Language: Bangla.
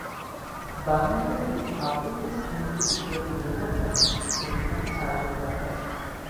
বাংলা একাডেমির আবদুল করিম সাহিত্যবিশারদ মিলনায়তনে অনুষ্ঠানের আয়োজন করা হয়।